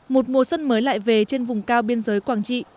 một mùa xuân mới lại về trên vùng cao biên giới quảng trị